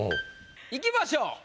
いきましょう。